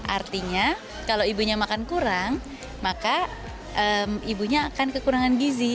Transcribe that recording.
artinya kalau ibunya makan kurang maka ibunya akan kekurangan gizi